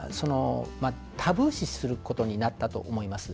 タブー視することになったと思います。